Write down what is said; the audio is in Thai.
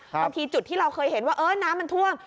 บางทีจุดที่เราเคยเห็นว่าน้ำมันท่วม